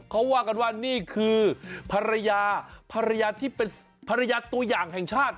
เขาว่ากันว่านี่คือภรรยาตัวอย่างแห่งชาติ